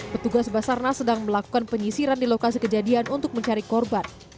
petugas basarna sedang melakukan penyisiran di lokasi kejadian untuk mencari korban